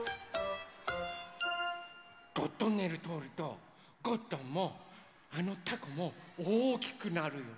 ゴットンネルとおるとゴットンもあのたこもおおきくなるの。